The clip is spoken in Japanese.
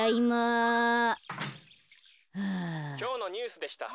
「きょうのニュースでした」。